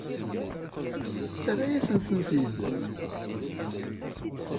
Terra-yasent-tent-id?